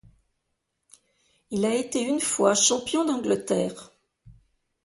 Il a été une fois champion d'Angleterre.